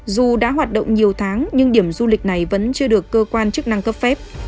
dù đã hoạt động nhiều tháng nhưng điểm du lịch này vẫn chưa được cơ quan chức năng cấp phép